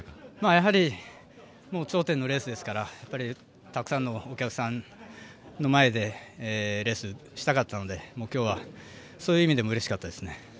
やはり頂点のレースですからたくさんのお客さんの前でレースしたかったので、きょうはそういう意味でもうれしかったですね。